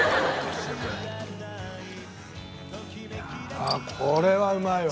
ああこれはうまいわ。